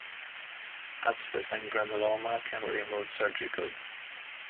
Abscess and granuloma can be removed surgically.